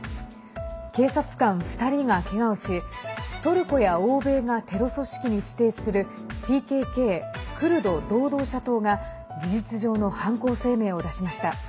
警察官２人がけがをしトルコや欧米がテロ組織に指定するＰＫＫ＝クルド労働者党が事実上の犯行声明を出しました。